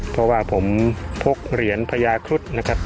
เพราะว่าผมพกเหรียญพญาครุฑนะครับ